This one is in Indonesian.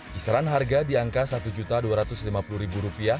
kisaran harga di angka rp satu dua ratus lima puluh